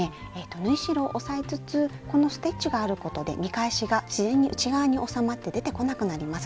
縫い代を押さえつつこのステッチがあることで見返しが自然に内側に収まって出てこなくなります。